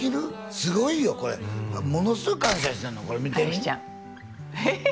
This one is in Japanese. すごいよこれものすごい感謝してんのこれ見てみい林ちゃん